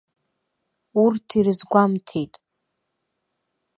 Урҭ ирызгәамҭеит.